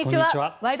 「ワイド！